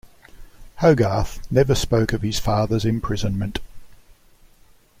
Hogarth never spoke of his father's imprisonment.